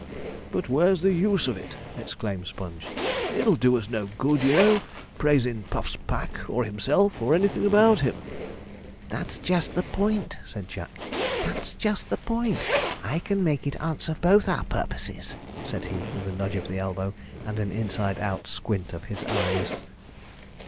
'But where's the use of it?' exclaimed Sponge; 'it'll do us no good, you know, praisin' Puff's pack, or himself, or anything about him.' 'That's just the point,' said Jack, 'that's just the point. I can make it answer both our purposes,' said he, with a nudge of the elbow, and an inside out squint of his eyes.